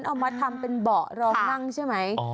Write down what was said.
เอามาทำเป็นเบาะรองนั่งใช่ไหม